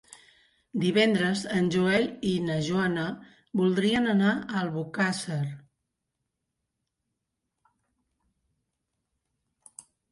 Divendres en Joel i na Joana voldrien anar a Albocàsser.